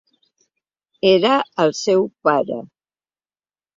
Era el seu pare.